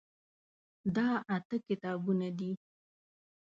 دا اته کتابونه دي.